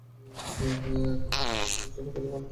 এখনও কোনো ছেলে খুঁজে পাওনি?